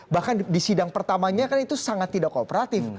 bahkan di sidang pertamanya kan itu sangat tidak kooperatif